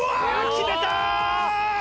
決めたー！